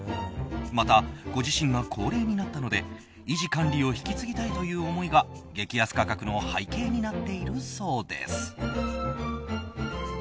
また、ご自身が高齢になったので維持・管理を引き継ぎたいという思いが激安価格の背景になっているそうです。